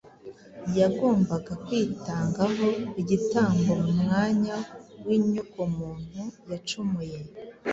yagombaga kwitangaho igitambo mu mwanya w’inyokomuntu yacumuye.